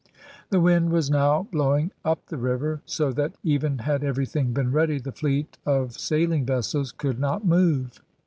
The wind was now blowing up the river, so that, even had everything been ready, the fleet of sailing vessels could not move.